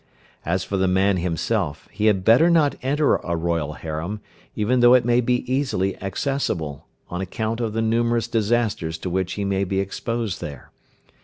As for the man himself, he had better not enter a royal harem, even though it may be easily accessible, on account of the numerous disasters to which he may be exposed there.